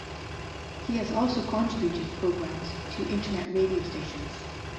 He has also contributed programmes to Internet radio stations.